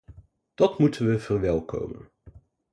Dat moeten we verwelkomen.